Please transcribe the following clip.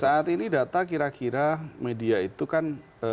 saat ini data kira kira media itu kan